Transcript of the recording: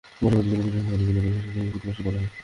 পরবর্তী যুগের বহু সংখ্যক আলিমের পরিভাষায় যাকে কুরসী বলা হয়।